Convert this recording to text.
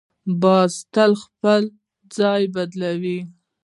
باز تل خپل ځای بدلوي